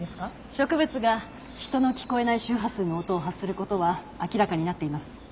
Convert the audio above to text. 植物が人の聞こえない周波数の音を発する事は明らかになっています。